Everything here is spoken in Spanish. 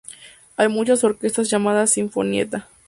Hay muchas orquestas llamadas "sinfonietta".